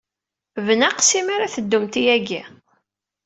Bnaqes imi ara teddumt yagi.